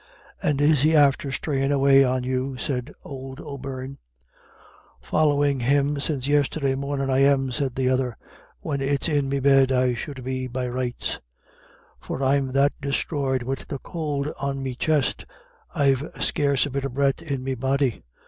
"And is he after strayin' away on you?" said old O'Beirne. "Follyin' him since yisterday mornin' I am," said the other, "when it's in me bed I should be be rights, for I'm that distroyed wid the could on me chest I've scare a bit of breath in me body.